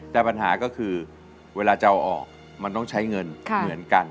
แต่ปัญหาก็คือเวลาจะเอาออกมันต้องใช้เงินเหมือนกัน